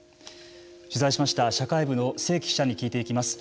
取材しました社会部の清木記者に聞いていきます。